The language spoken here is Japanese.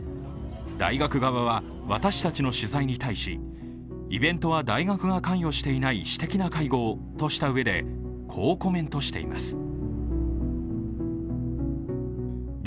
大学側は私たちの取材に対し、イベントは大学が関与していない私的な会合としたうえで、こうコメントしています。